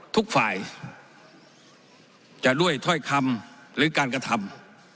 ทุกฝ่ายจะด้วยถ้อยคำหรือการกระทำ